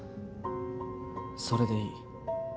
それでいい。